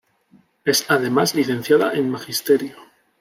Es además Licenciada en Magisterio.